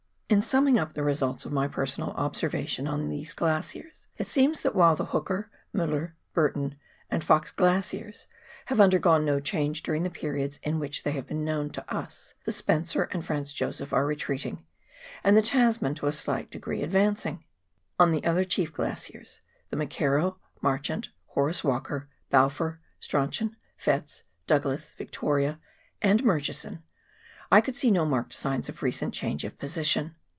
In summing up the results of my personal observation on the glaciers, it seems that while the Hooker, Mueller, Burton, and Fox Glaciers have undergone no change during the periods in which they have been known to us, the Spencer and Franz Josef are retreating, and the Tasman to a slight degree advancing. On the other chief glaciers, the McKerrow, Mar chant, Horace "Walker, Balfour, Strauchon, Fettes, Douglas, Victoria, and Murchison, I could see no marked signs of recent change of position.